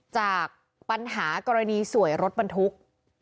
จากปัญหากรณีสวยรถบรรทุก